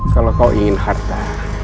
kalau kau ingin harta